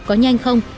có nhanh không